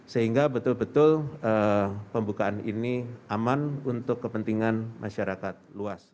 sehingga betul betul pembukaan ini aman untuk kepentingan masyarakat luas